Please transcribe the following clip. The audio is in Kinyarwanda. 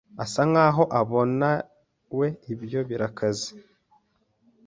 asa nkaho abonawe ibyo birakaze.